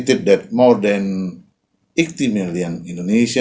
lebih dari delapan puluh juta orang indonesia